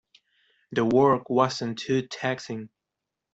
The work wasn't too taxing.